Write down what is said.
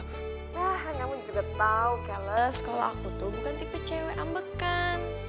hah kamu juga tau keles kalau aku tuh bukan tipe cewe ambekan